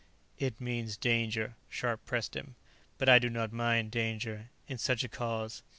"It means danger," Scharpe pressed him. "But I do not mind danger, in such a cause.